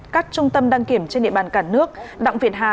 các trung tâm đăng kiểm trên địa bàn cả nước đặng việt hà